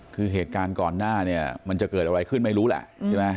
คือเหตุการณ์ก่อนหน้ามันจะเกิดอะไรขึ้นไม่รู้แหละ